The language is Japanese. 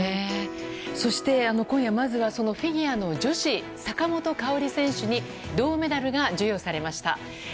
そして今夜まずはフィギュアの女子坂本花織選手に銅メダルが授与されました。